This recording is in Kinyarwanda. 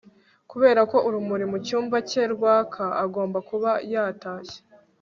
kubera ko urumuri mucyumba cye rwaka, agomba kuba yatashye